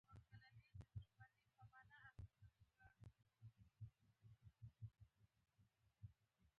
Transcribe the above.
د میراث ساتنه زموږ ملي دنده ده.